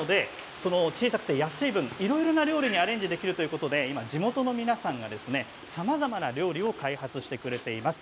小さくて安い分いろいろな料理にアレンジできるということで地元の皆さんがさまざまな料理を開発してくれています。